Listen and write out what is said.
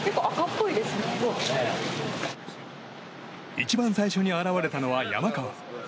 一番最初に現れたのは山川。